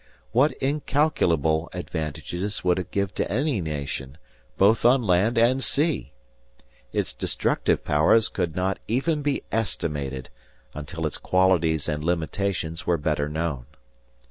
What incalculable advantages would it give to any nation, both on land and sea! Its destructive powers could not even be estimated, until its qualities and limitations were better known.